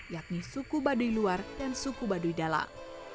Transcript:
yakni suku baduy luar dan suku baduy dalam